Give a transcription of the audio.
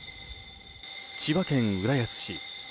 千葉県浦安市。